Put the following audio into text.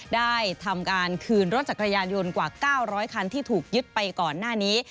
ได้ทำการคืนรถจักรยานยนต์กว่า๙๐๐คันที่ถูกยึดไปก่อนหน้านี้